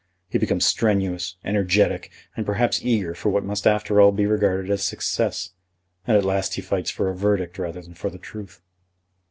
He becomes strenuous, energetic, and perhaps eager for what must after all be regarded as success, and at last he fights for a verdict rather than for the truth."